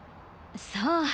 そう。